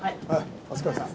お疲れさん。